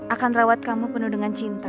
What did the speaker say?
akan rawat kamu penuh dengan cinta